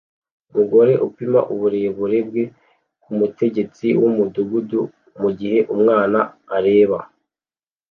Umugore upima uburebure bwe kumutegetsi wumudugudu mugihe umwana areba